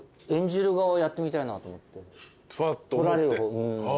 撮られる方。